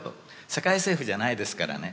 世界政府じゃないですからね。